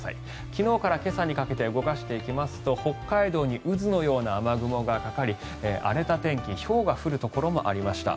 昨日から今朝にかけて動かしていきますと北海道に渦のような雨雲がかかり荒れた天気ひょうが降るところもありました。